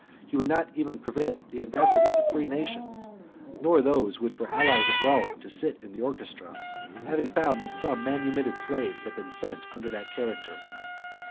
He would not even permit the ambassadors of free nations, nor of those which were allies of Rome, to sit in the orchestra; having found that some manumitted slaves had been sent under that character.